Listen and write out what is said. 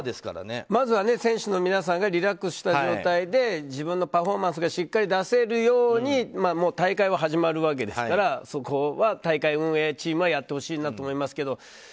まずは選手の皆さんがリラックスした状態で自分のパフォーマンスがしっかり出せるように大会は始まるわけですからそこは大会運営チームはやってほしいなとは思いますけど。